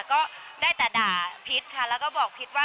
ก็ได้แต่ด่าพิษค่ะแล้วก็บอกพิษว่า